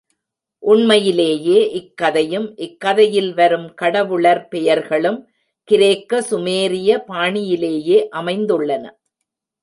உண்மையிலேயே இக்கதையும், இக் கதையில் வரும் கடவுளர் பெயர்களும் கிரேக்க, சுமேரிய பாணியிலேயே அமைந்துள்ளன.